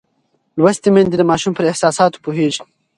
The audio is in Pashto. لوستې میندې د ماشوم پر احساساتو پوهېږي.